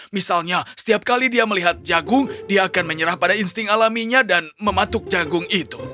misalnya setiap kali dia melihat jagung dia akan menyerah pada insting alaminya dan mematuk jagung itu